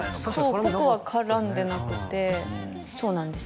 そう個々は絡んでなくてそうなんですよ